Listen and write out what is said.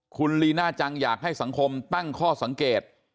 คุณลีน่าจังอยากให้สังคมตั้งข้อสังเกต